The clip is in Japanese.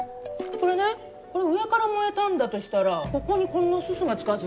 これね上から燃えたんだとしたらここにこんなススが付くはず